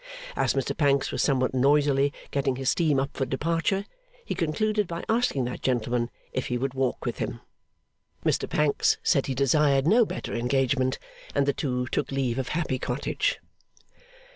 As Mr Pancks was somewhat noisily getting his steam up for departure, he concluded by asking that gentleman if he would walk with him? Mr Pancks said he desired no better engagement, and the two took leave of Happy Cottage.